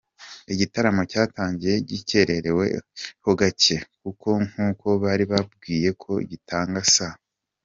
igitaramo cyatangiye gikererewe ho gake kuko nkuko bari babwiyeko gitangita saa.